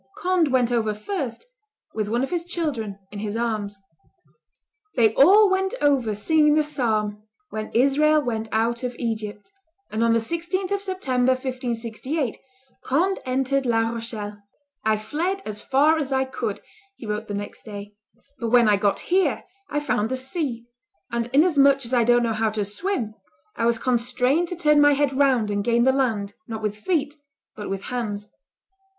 Conde went over first, with one of his children in his arms. [Illustration: Conde at the Ford 328] They all went over singing the psalm, When Israel went out of Egypt, and on the 16th of September, 1568, Conde entered La Rochelle. "I fled as far as I could," he wrote the next day, "but when I got here I found the sea; and, inasmuch as I don't know how to swim, I was constrained to turn my head round and gain the land, not with feet, but with hands."